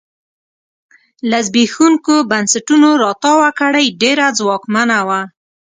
له زبېښونکو بنسټونو راتاوه کړۍ ډېره ځواکمنه وه.